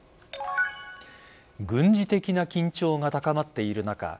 軍事的な緊張が高まっている中